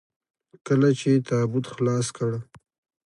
کله چې يې تابوت خلاص کړ.